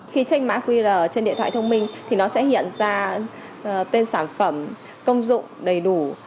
khi tranh mã qr trên điện thoại thông minh thì nó sẽ hiện ra tên sản phẩm công dụng đầy đủ